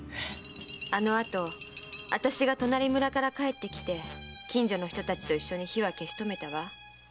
あのあとあたしが隣村から帰ってきて近所の人たちと一緒に火は消し止めたわ。